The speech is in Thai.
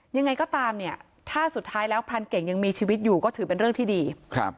ยังไงก็ตามเนี่ยถ้าสุดท้ายแล้วพรานเก่งยังมีชีวิตอยู่ก็ถือเป็นเรื่องที่ดีครับ